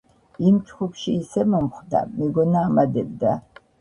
იმ ჩხუბში ისე მომხვდა, მეგონა ამადებდა.